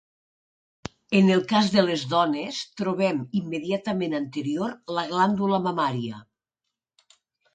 En el cas de les dones, trobem immediatament anterior la glàndula mamària.